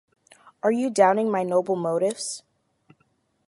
Are you doubting my noble motifs?